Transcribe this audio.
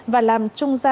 và làm trung gian giao lô